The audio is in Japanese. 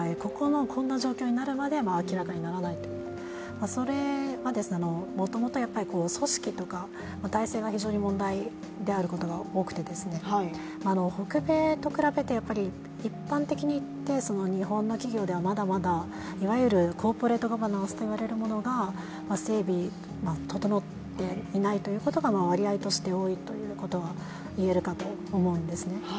こんな状況になるまで明らかにならないことそれはもともと組織とか、体制が非常に問題であることが多くて、北米と比べて、一般的にいって日本の企業ではまだまだいわゆるコーポレートガバナンスといわれるものが整備、整っていないということが割合として多いということは言えるかと思うんですね。